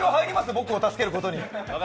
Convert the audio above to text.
僕を助けることに。